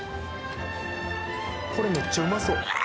これめっちゃうまそうははは